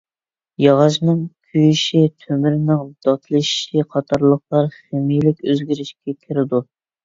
ياغاچنىڭ كۆيۈشى، تۆمۈرنىڭ داتلىشىشى قاتارلىقلار خىمىيەلىك ئۆزگىرىشكە كىرىدۇ.